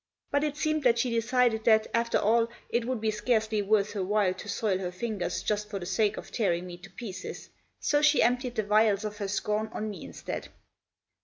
But it seemed that she decided that, after all, it would be scarcely worth her while to soil her fingers just for the sake of tearing me to pieces ; so she emptied the vials of her scorn on me instead.